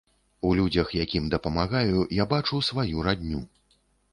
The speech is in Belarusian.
У людзях, якім дапамагаю, я бачу сваю радню.